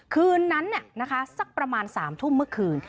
คืนนั้นสักประมาณ๓ทุ่มเมื่อคืน